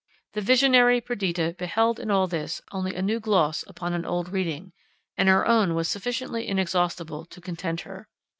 The visionary Perdita beheld in all this only a new gloss upon an old reading, and her own was sufficiently inexhaustible to content her.